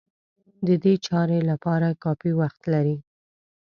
د دې چارې لپاره کافي وخت لري.